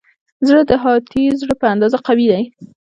زړه د هاتي زړه په اندازه قوي دی.